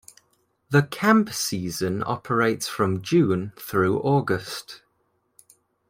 The camp season operates from June through August.